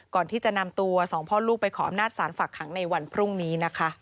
ก่อนที่จะนำตัวสองพ่อลูกไปขออำนาจสารฝากขังในวันพรุ่งนี้นะคะ